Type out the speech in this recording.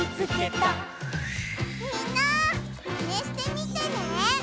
みんなマネしてみてね！